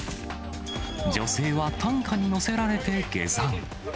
女性は担架に乗せられて下山。